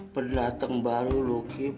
pendatang baru luki